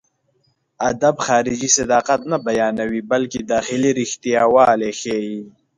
ادب خارجي صداقت نه بيانوي، بلکې داخلي رښتياوالی ښيي.